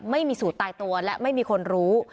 ไม่มีสูตรตายตัวและไม่มีคนรู้